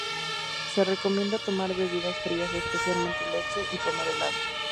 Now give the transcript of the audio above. Se recomienda tomar bebidas frías, especialmente leche, y comer helado.